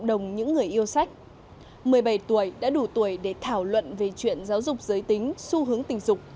một mươi bảy tuổi đã đủ tuổi để thảo luận về chuyện giáo dục giới tính xu hướng tình dục